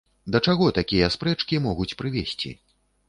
Да чаго такія спрэчкі могуць прывесці?